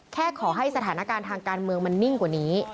ขอให้สถานการณ์ทางการเมืองมันนิ่งกว่านี้